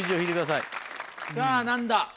さぁ何だ？